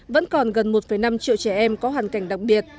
vẫn còn gần một năm triệu trẻ em có hoàn cảnh đặc biệt